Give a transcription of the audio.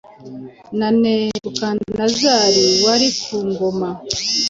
na Nebukadinezari wari ku ngoma.